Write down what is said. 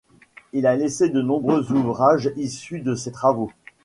Il a laissé de nombreux ouvrages issus de ses travaux.